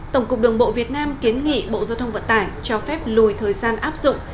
tổng cục đường bộ việt nam kiến nghị bộ giao thông vận tải cho phép lùi thời gian áp dụng